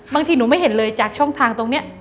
บางทีหนูไม่เห็นเลยจากช่องทางตรงนี้